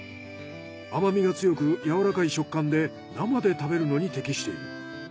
甘みが強くやわらかい食感で生で食べるのに適している。